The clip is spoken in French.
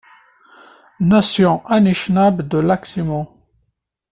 Nations Anishnabe de Lac-Simon.